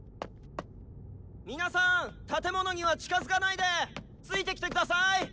皆さん建物には近づかないでついてきて下さい！